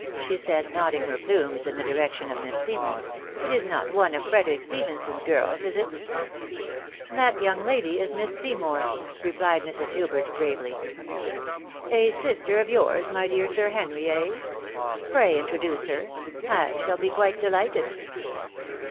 " she said, nodding her plumes in the direction of Miss Seymour ;" it is not one of Frederic Stephenson's girls, is it ?"" That young lady is Miss Seymour," rephed Mrs. Hubert, gravely. " A sister of yours, my dear Sir Henry, eh ? Pray introduce her, — I shall be quite dehghted."